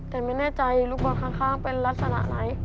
แต่ไม่แน่ใจลูกบอลข้างเป็นลักษณะอะไร